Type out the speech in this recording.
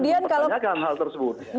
kita akan mempertanyakan hal tersebut